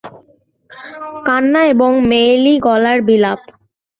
কান্না এবং মেয়েলি গলায় বিলাপ।